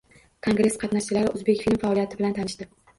Kongress qatnashchilari O‘zbekfilm faoliyati bilan tanishdi